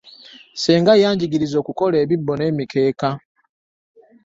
Ssenga yangigiriza okuloka ebibbo n'emikeeka.